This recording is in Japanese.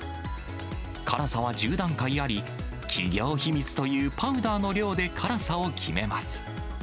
辛さは１０段階あり、企業秘密というパウダーの量で辛さを決めます。